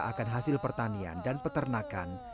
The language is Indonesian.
akan hasil pertanian dan peternakan